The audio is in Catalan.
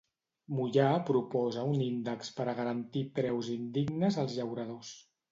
Mollà proposa un índex per a garantir preus indignes als llauradors.